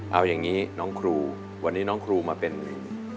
เอาอย่างนี้น้องครูวันนี้น้องครูมาเป็นหนึ่ง